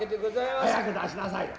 早く出しなさいよ。